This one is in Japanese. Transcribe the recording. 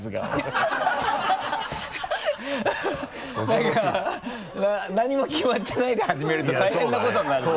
何か何も決まってないで始めると大変なことになるぞ。